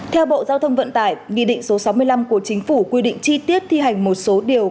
theo bộ giao thông vận tải nghị định số sáu mươi năm của chính phủ quy định chi tiết thi hành một số điều